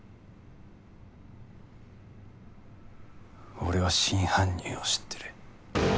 俺は真犯人を知ってる。